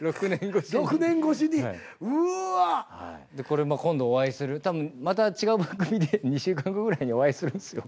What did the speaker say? これ今度お会いする多分また違う番組で２週間後ぐらいにお会いするんですよ。